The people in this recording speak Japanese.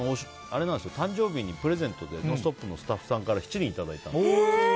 誕生日にプレゼントで「ノンストップ！」のスタッフさんから七輪をいただいたんです。